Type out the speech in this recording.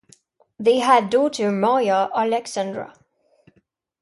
They had daughter Maria-Alexandra.